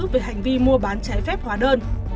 về hành vi mua bán trái phép hóa đơn